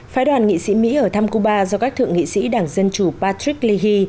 phái đoàn nghị sĩ mỹ ở thăm cuba do các thượng nghị sĩ đảng dân chủ patrick leahy